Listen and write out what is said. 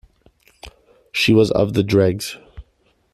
She was of the dregs.